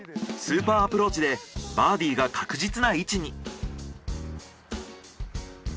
スーパーアプローチでバーディが確実な位置に。